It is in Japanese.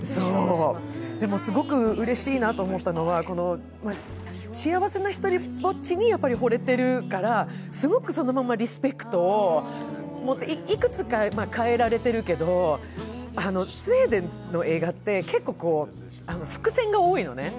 でも、すごくうれしいなと思ったのは、「幸せなひとりぼっち」にほれてるから、すごくそのままリスペクトを持っていくつか変えられているけど、スウェーデンの映画って結構伏線が多いのね。